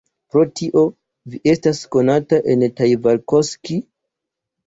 Pro kio vi estas konata en Taivalkoski?